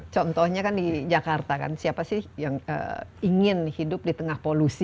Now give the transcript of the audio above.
contohnya kan di jakarta kan siapa sih yang ingin hidup di tengah polusi